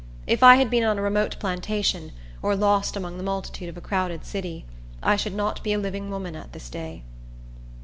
If I had been on a remote plantation, or lost among the multitude of a crowded city, I should not be a living woman at this day.